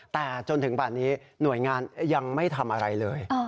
แต่จนถึงป่านนี้หน่วยงานยังไม่ทำอะไรเลย